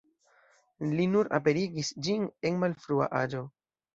Li nur aperigis ĝin en malfrua aĝo.